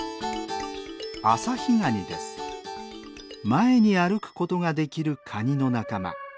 前に歩くことができるカニの仲間。